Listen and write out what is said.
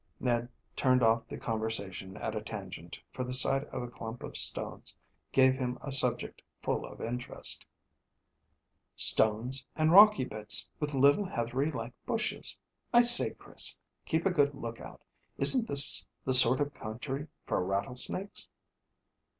Ned turned off the conversation at a tangent, for the sight of a clump of stones gave him a subject full of interest. "Stones and rocky bits, with little heathery like bushes. I say, Chris, keep a good lookout. Isn't this the sort of country for rattlesnakes?"